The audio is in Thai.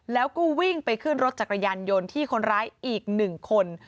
แล้วก็วิ่งไปขึ้นรถจักรยานยนต์ที่คนร้ายอีก๑คน